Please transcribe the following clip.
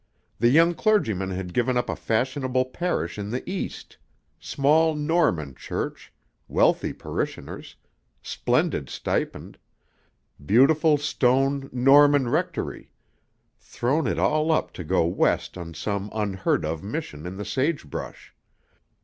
The young clergyman had given up a fashionable parish in the East small Norman church, wealthy parishioners, splendid stipend, beautiful stone Norman rectory thrown it all up to go West on some unheard of mission in the sagebrush.